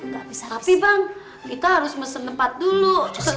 tapi bang kita harus mesen tempat dulu